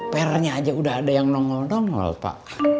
pernya aja udah ada yang nongol nongol pak